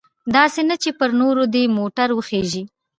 داسې نه چې پر نورو دې موټر وخیژوي.